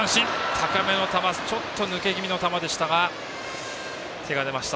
高めの球ちょっと抜け気味の球でしたが手が出ました。